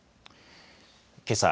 けさ